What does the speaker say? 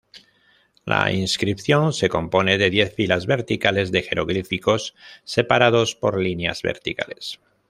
La inscripción se compone de diez filas verticales de jeroglíficos, separados por líneas verticales.